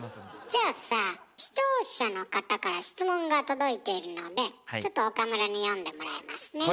じゃあさ視聴者の方から質問が届いているのでちょっと岡村に読んでもらいますね。